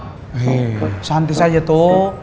eh santis aja tuh